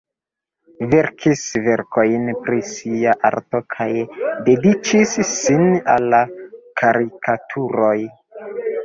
Verkis verkojn pri sia arto kaj dediĉis sin al karikaturoj.